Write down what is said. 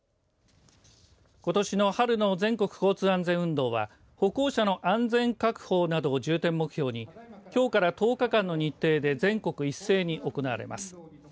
ことしの春の全国交通安全運動は歩行者の安全確保などを重点目標にきょうから１０日間の日程で全国一斉に行われます。